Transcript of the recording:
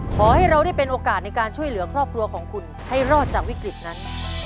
ขอให้เราได้เป็นโอกาสในการช่วยเหลือครอบครัวของคุณให้รอดจากวิกฤตนั้น